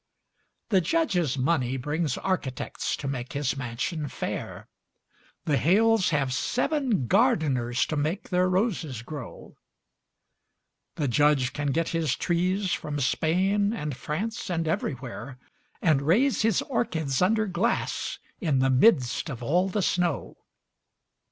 The Judge's money brings architects to make his mansion fair; The Hales have seven gardeners to make their roses grow; The Judge can get his trees from Spain and France and everywhere, And raise his orchids under glass in the midst of all the snow.